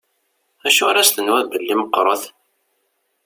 Acuɣer i as-tenwiḍ belli meqqṛet?